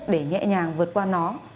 để nhẹ nhàng vượt qua nó